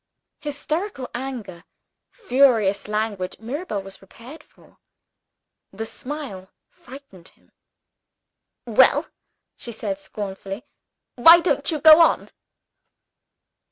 Hysterical anger, furious language, Mirabel was prepared for. The smile frightened him. "Well?" she said scornfully, "why don't you go on?"